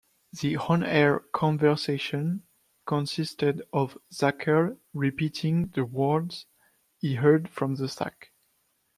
The on-air conversation consisted of Zacherle repeating the words he heard from the sack.